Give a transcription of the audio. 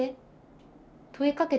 問いかけ？